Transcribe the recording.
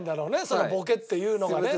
そのボケっていうのがね。